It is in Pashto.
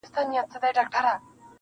سحر وختي بۀ يى قرضداري دروازه وهله,